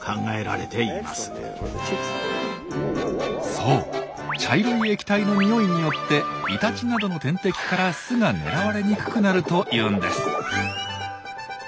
そう茶色い液体のにおいによってイタチなどの天敵から巣が狙われにくくなるというんです。